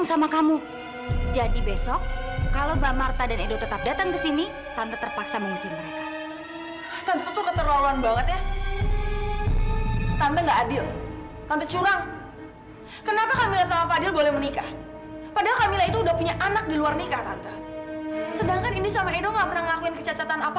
sampai jumpa di video selanjutnya